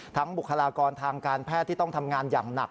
บุคลากรทางการแพทย์ที่ต้องทำงานอย่างหนัก